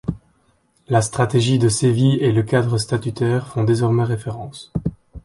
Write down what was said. La Stratégie de Séville et le Cadre statutaire font désormais référence.